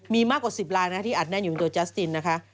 มีมากกว่า๑๐ลายนะที่อัดแน่นอยู่ในตัวจัสตินนะคะ